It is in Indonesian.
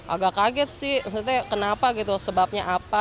agak kaget sih maksudnya kenapa gitu sebabnya apa